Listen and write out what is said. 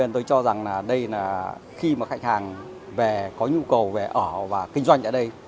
tôi cho rằng đây là khi khách hàng có nhu cầu về ở và kinh doanh ở đây